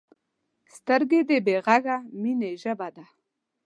سترګې د بې غږه مینې ژبه ده